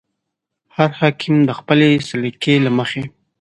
هر حاکم د خپلې سلیقې له مخې.